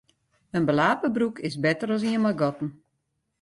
In belape broek is better as ien mei gatten.